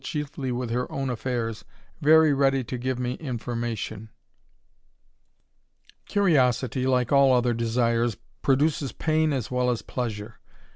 chiefly with her owr^ affairs, very ready to give me information. Curiosity, like all other desires, produces pain as well pleasure.